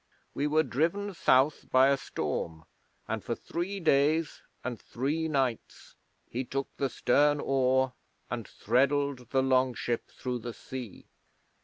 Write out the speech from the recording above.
'We were driven South by a storm, and for three days and three nights he took the stern oar, and threddled the longship through the sea.